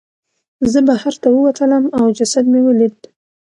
زه بهر ته ووتلم او جسد مې ولید.